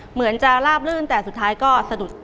เหมือนจะลาบลื่นแต่สุดท้ายก็สะดุด